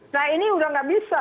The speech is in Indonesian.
nah ini udah nggak bisa